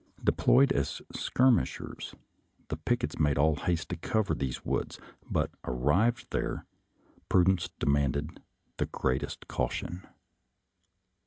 Deployed as skirmish ers, the pickets made all haste to the cover of these woods, but, arrived there, prudence de manded the greatest caution.